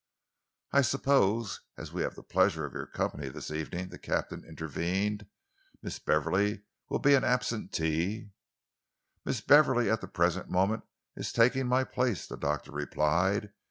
"I suppose, as we have the pleasure of your company this evening," the captain intervened, "Miss Beverley will be an absentee?" "Miss Beverley at the present moment is taking my place," the doctor replied.